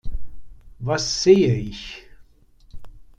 Was sehe ich…!